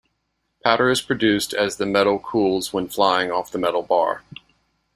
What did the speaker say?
Powder is produced as the metal cools when flying off the metal bar.